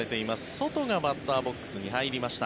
ソトがバッターボックスに入りました。